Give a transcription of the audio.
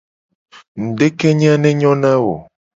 Ngudekenye a ne nyo na wo.